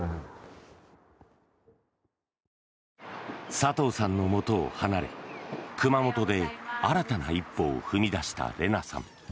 佐藤さんのもとを離れ熊本で新たな一歩を踏み出したレナさん。